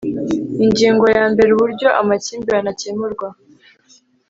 Ingingo ya mbere Uburyo amakimbirane akemurwa